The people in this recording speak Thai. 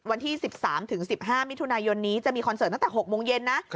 วันที่๑๓๑๕มิถุนายนนี้จะมีคอนเสิร์ตตั้งแต่๖โมงเย็นนะ